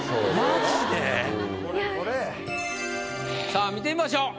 さあ見てみましょう。